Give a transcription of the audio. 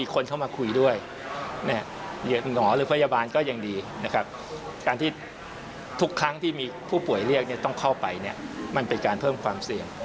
การที่ทุกครั้งที่มีผู้ป่วยเรียกเนี่ยต้องเข้าไปเนี่ยมันเป็นการเพิ่มความเสี่ยง